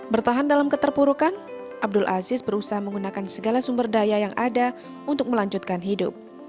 bertahan dalam keterpurukan abdul aziz berusaha menggunakan segala sumber daya yang ada untuk melanjutkan hidup